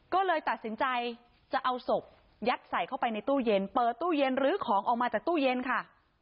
ก็เลยตัดสินใจจะเอาศพยัดใส่เข้าไปในตู้เย็นเปิดตู้เย็นลื้อของออกมาจากตู้เย็นค่ะ